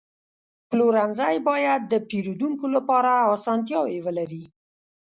پلورنځی باید د پیرودونکو لپاره اسانتیاوې ولري.